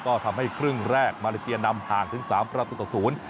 ก็ทำให้ครึ่งแรกมาเลเซียนำห่างถึงสามประตูต่อศูนย์